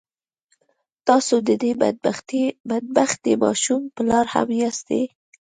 تاسو د دې بد بختې ماشومې پلار هم ياستئ.